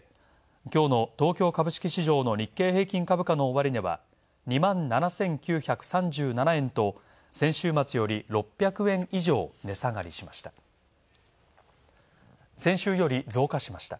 今日の東京株式市場の日経平均株価の終値は２万７９３７円と、先週末より６００円以上値下がりしました。